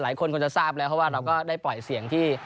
หลายคนคงจะทราบแล้วเพราะว่าเราก็ได้ปล่อยเสียงที่